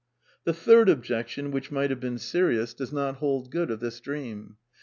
®^ The third objection, which might have been serious, does CONCLUSIONS 887 not hold good of this dream.